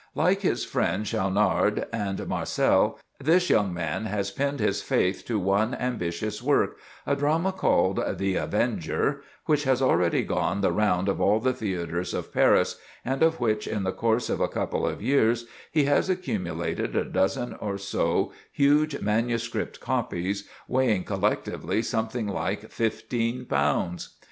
Like his friends Schaunard and Marcel, this young man has pinned his faith to one ambitious work, a drama called the "The Avenger," which has already gone the round of all the theatres of Paris, and of which in the course of a couple of years, he has accumulated a dozen or so huge manuscript copies, weighing collectively something like fifteen pounds.